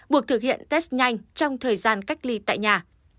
buộc thực hiện test nhanh trong thời gian cách ly tại nhà